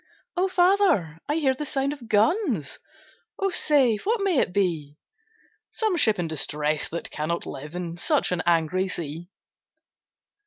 'O father! I hear the sound of guns, O say, what may it be?' 'Some ship in distress that cannot live In such an angry sea!'